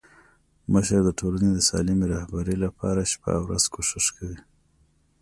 مشر د ټولني د سالمي رهبري لپاره شپه او ورځ کوښښ کوي.